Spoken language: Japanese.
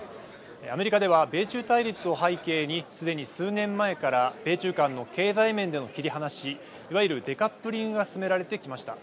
アメリカでは米中対立を背景にすでに数年前から米中間の経済面での切り離しいわゆるデカップリングが進められてきました。